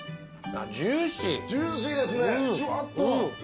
ジューシーですねじゅわっと。